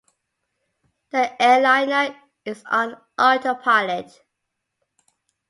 The airliner is on autopilot.